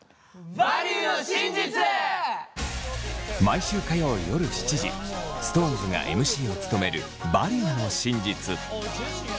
毎週火曜夜７時ＳｉｘＴＯＮＥＳがＭＣを務める「バリューの真実」。